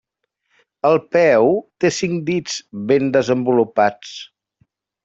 El peu té cinc dits, ben desenvolupats.